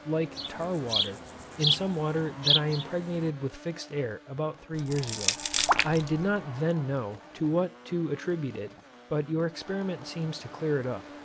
like tar water, in some water that I impregnated with fixed air about three years ago. I did not then know to what to attribute it, but your experiment seems to clear it up.